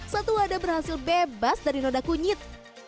satu wadah berhasil bebas dari noda kunyit